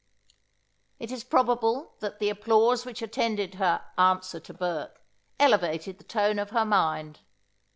It is probable that the applause which attended her Answer to Burke, elevated the tone of her mind.